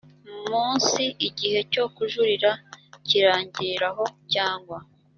munsi igihe cyo kujurira kirangiriraho cyangwa